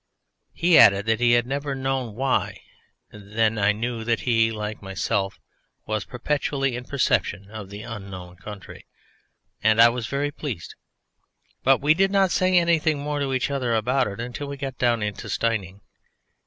He added that he had never known why. Then I knew that he, like myself, was perpetually in perception of the Unknown Country, and I was very pleased. But we did not say anything more to each other about it until we got down into Steyning.